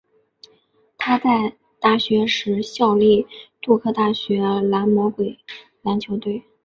他在大学时效力杜克大学蓝魔鬼篮球队。